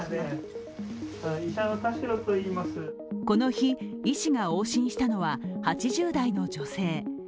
この日、医師が往診したのは８０代の女性。